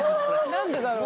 何でだろう。